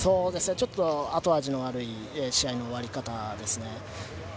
ちょっと後味の悪い試合の終わり方ですね。